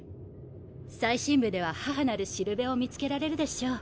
最深部では母なる標を見つけられるでしょう。